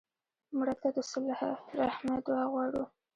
مړه ته د صله رحمي دعا غواړو